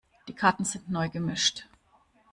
Die Karten sind neu gemischt.